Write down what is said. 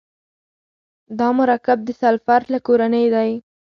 دا مرکب د سلفر له کورنۍ دی.